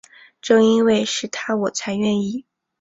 正因为是他我才愿意